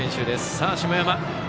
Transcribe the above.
さあ、下山。